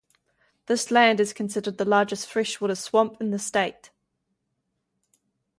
This land is considered the largest freshwater swamp in the state.